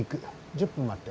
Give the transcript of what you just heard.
１０分待って。